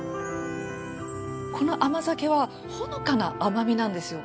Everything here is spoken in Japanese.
この甘酒はほのかな甘みなんですよ。